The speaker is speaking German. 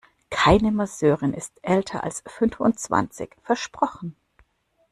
Keine Masseurin ist älter als fünfundzwanzig, versprochen!